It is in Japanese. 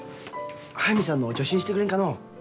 速水さんの助手にしてくれんかのう。